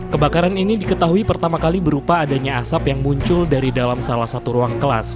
kebakaran ini diketahui pertama kali berupa adanya asap yang muncul dari dalam salah satu ruang kelas